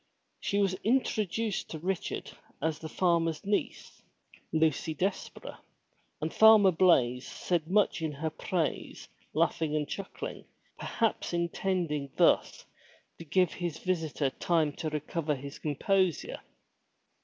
She was introduced to Richard as the farmer's niece, Lucy Desborough, and Farmer Blaize said much in her praise laughing and chuckling, perhaps intending thus to giVe his visitor time to recover his composure.